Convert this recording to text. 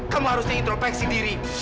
kamu harusnya intropeksi diri